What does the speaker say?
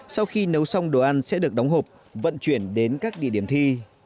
sau khi nấu xong đồ ăn sẽ được đóng hộp vận chuyển đến các địa điểm thi